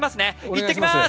行ってきます！